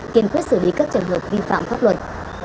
kiên quyết xử lý các trường hợp vi phạm pháp luật